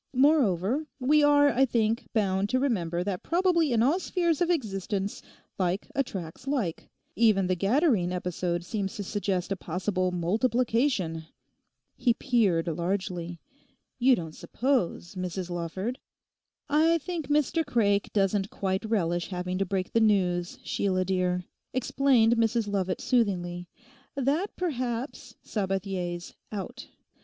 Moreover we are, I think, bound to remember that probably in all spheres of existence like attracts like; even the Gadarene episode seems to suggest a possible multiplication!' he peered largely. 'You don't suppose, Mrs Lawford...?' 'I think Mr Craik doesn't quite relish having to break the news, Sheila dear,' explained Mrs Lovat soothingly, 'that perhaps Sabathier's out.